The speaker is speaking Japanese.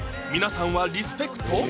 皆さんはリスペクト？